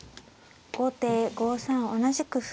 後手５三同じく歩。